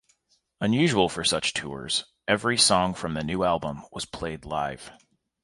Unusual for such tours, every song from the new album was played live.